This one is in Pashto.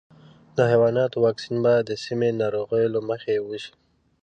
د حیواناتو واکسین باید د سیمې د ناروغیو له مخې وشي.